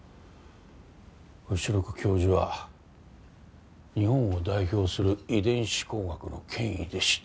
後宮教授は日本を代表する遺伝子工学の権威でした。